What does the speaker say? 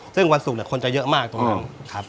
ซึ่งวันศุกร์เนี่ยคนจะเยอะมากตรงนั้น